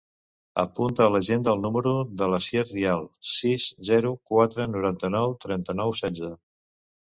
Apunta a l'agenda el número de l'Asier Rial: sis, zero, quatre, noranta-nou, trenta-nou, setze.